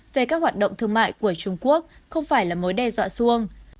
về các hoạt động thương mại của trung quốc không phải là mối đe dọa xuông